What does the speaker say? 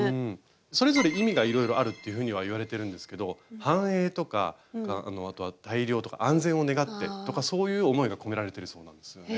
それぞれ意味がいろいろあるっていうふうにはいわれてるんですけど繁栄とかあとは大漁とか安全を願ってとかそういう思いが込められてるそうなんですよね。